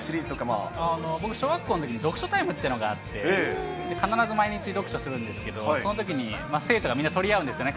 僕、小学校のときに、読書タイムっていうのがあって、必ず毎日、読書するんですけど、そのときに生徒がみんな取り合うんですよね。